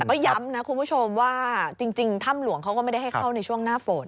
ก็ย้ำนะคุณผู้ชมว่าจริงถ้ำหลวงเขาก็ไม่ได้ให้เข้าในช่วงหน้าฝน